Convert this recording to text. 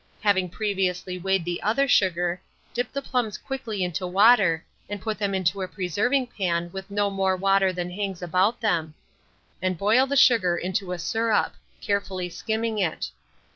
Having previously weighed the other sugar, dip the lumps quickly into water, and put them into a preserving pan with no more water than hangs about them; and boil the sugar to a syrup, carefully skimming it.